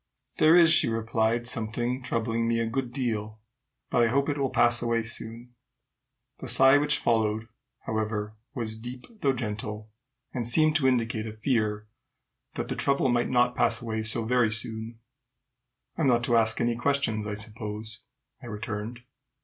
"There is," she replied, "something troubling me a good deal; but I hope it will pass away soon." The sigh which followed, however, was deep though gentle, and seemed to indicate a fear that the trouble might not pass away so very soon. "I am not to ask you any questions, I suppose," I returned.